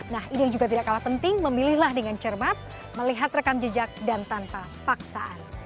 nah ini yang juga tidak kalah penting memilihlah dengan cermat melihat rekam jejak dan tanpa paksaan